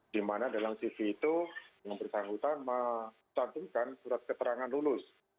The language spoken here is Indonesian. di mana dalam cv itu yang bersangkutan mencantumkan surat keterangan lulus